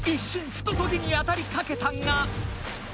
「ふとトゲ」に当たりかけたが。